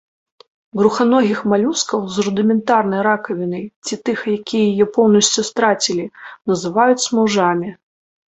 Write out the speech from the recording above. Бруханогіх малюскаў з рудыментарнай ракавінай ці тых, якія яе поўнасцю страцілі, называюць смаўжамі.